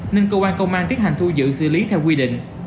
nên cơ quan công an tiến hành thu giữ xử lý theo quy định